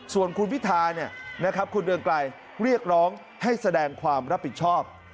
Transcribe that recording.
ส่วนคุณพิธาคุณเรืองไกรเรียกร้องให้แสดงความรับผิดชอบ